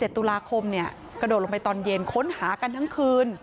ตุลาคมกระโดดลงไปตอนเย็นค้นหากันทั้งคืน